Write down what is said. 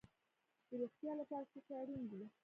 د روغتیا لپاره څه شی اړین دي؟